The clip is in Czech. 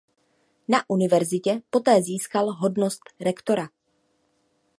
Na univerzitě poté získal hodnost rektora.